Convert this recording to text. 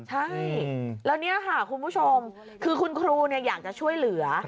ใช่แล้วนี่ค่ะคุณผู้ชมคือคุณครูอยากจะช่วยเหลือ